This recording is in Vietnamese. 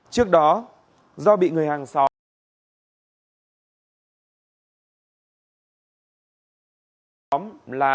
trước đó do bị người hàng xóa